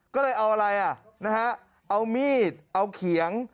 ก็เลยเอาอะไรอ่ะนะฮะเอามีดเอาเขียง